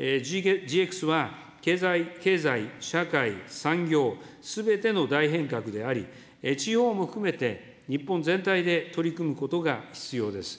ＧＸは経済、社会、産業、すべての大変革であり、地方も含めて、日本全体で取り組むことが必要です。